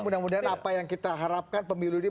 mudah mudahan apa yang kita harapkan pemilu ini